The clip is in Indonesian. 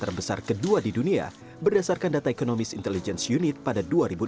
dan ini adalah sampah makanan terbesar kedua di dunia berdasarkan data ekonomis intelligence unit pada dua ribu enam belas